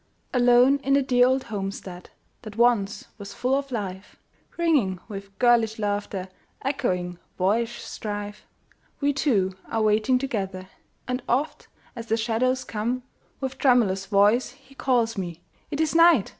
Alone in the dear old homestead That once was full of life, Ringing with girlish laughter, Echoing boyish strife, We two are waiting together; And oft, as the shadows come, With tremulous voice he calls me, "It is night!